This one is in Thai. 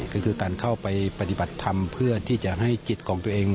ก็คือการเข้าไปปฏิบัติธรรมเพื่อที่จะให้จิตของตัวเอง